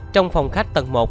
trong phòng khách tầng một